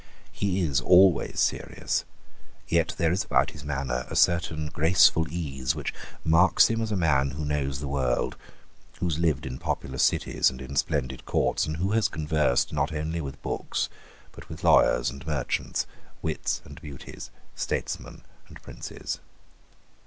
He is always serious: yet there is about his manner a certain graceful ease which marks him as a man who knows the world, who has lived in populous cities and in splendid courts, and who has conversed, not only with books, but with lawyers and merchants, wits and beauties, statesmen and princes.